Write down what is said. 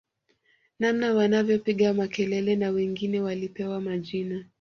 Namna wanavyopiga makelele na wengine walipewa majina